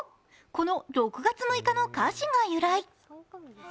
この６月６日の歌詞が由来。